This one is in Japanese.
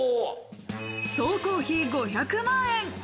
総工費５００万円。